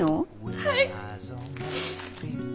はい！